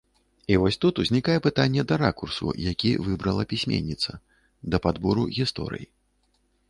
І вось тут узнікае пытанне да ракурсу, які выбрала пісьменніца, да падбору гісторый.